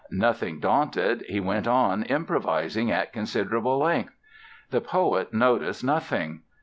Nothing daunted he went on improvising at considering length. The poet noticed nothing!